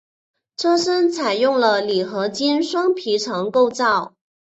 车身采用了铝合金双皮层构造。